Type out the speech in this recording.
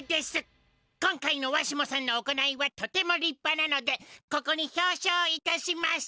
今回のわしもさんの行いはとてもりっぱなのでここに表しょういたします！